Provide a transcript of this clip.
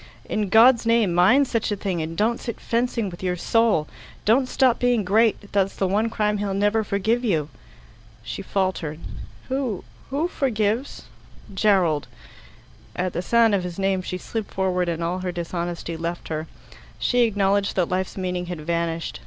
In God's name, mind such a thing, and don't sit fencing with your soul. Don't stop being great; that's the one crime he'll never forgive you." She faltered, "Who who forgives?" "Gerald." At the sound of his name she slid forward, and all her dishonesty left her. She acknowledged that life's meaning had vanished.